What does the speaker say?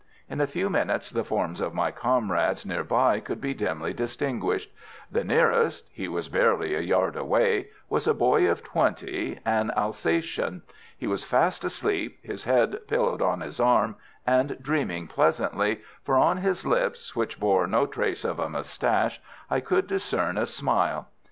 In a few minutes the forms of my comrades near by could be dimly distinguished. The nearest he was barely a yard away was a boy of twenty, an Alsatian. He was fast asleep, his head pillowed on his arm, and dreaming pleasantly, for on his lips, which bore no trace of a moustache, I could discern a smile.